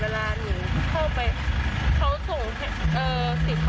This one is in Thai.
เข้าไปเขาส่งสิทธิ์เขาไปอยู่ที่นี่ค่ะ